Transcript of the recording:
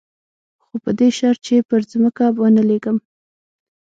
خو په دې شرط چې پر ځمکه ونه لېږم.